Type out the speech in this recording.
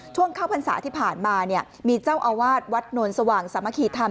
ช่วงเข้าพรรษาที่ผ่านมาเนี่ยมีเจ้าอาวาสวัดนวลสว่างสามัคคีธรรม